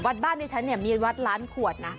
บ้านดิฉันเนี่ยมีวัดล้านขวดนะ